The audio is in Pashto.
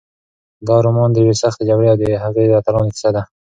دا رومان د یوې سختې جګړې او د هغې د اتلانو کیسه ده.